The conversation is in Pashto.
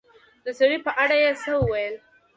د سړي په اړه يې څه وويل